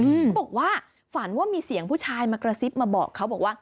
เขาบอกว่าฝันว่ามีเสียงผู้ชายมากระซิบมาบอกเขาบอกว่า